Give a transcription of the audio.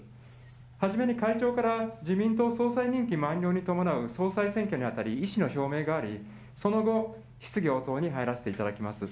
初めに会長から自民党総裁任期満了に伴う総裁選挙にあたり、意思の表明があり、その後、質疑応答に入らせていただきます。